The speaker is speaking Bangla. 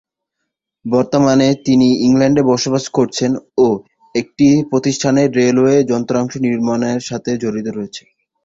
বর্তমানে তিনি ইংল্যান্ডে বসবাস করছেন ও একটি প্রতিষ্ঠানে রেলওয়ের যন্ত্রাংশ নির্মাণের সাথে জড়িত রয়েছেন।